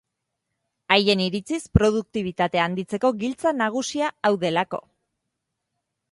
Haien iritziz produktibitatea handitzeko giltza nagusia hau delako.